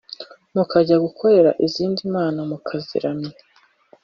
mukajya gukorera izindi mana mukaziramya